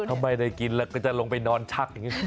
ถ้าไม่ได้กินแล้วก็จะลงไปนอนชักอย่างนี้